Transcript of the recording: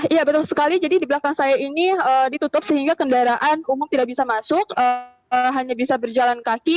iya betul sekali jadi di belakang saya ini ditutup sehingga kendaraan umum tidak bisa masuk hanya bisa berjalan kaki